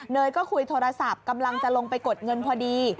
ยก็คุยโทรศัพท์กำลังจะลงไปกดเงินพอดี